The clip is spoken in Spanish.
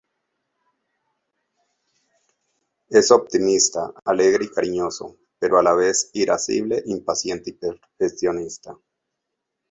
Es optimista, alegre y cariñoso, pero a la vez irascible, impaciente y perfeccionista.